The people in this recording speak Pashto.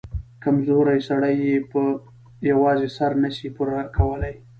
کمزورى سړى يې په يوازې سر نه سي پورې کولاى.